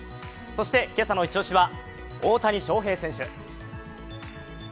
そして今朝のイチ押しは大谷翔平選手。